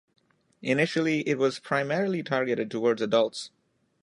Initially, it was primarily targeted towards adults.